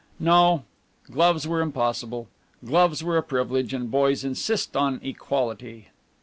No, gloves were impossible. Gloves were a privilege, and boys insist on equality.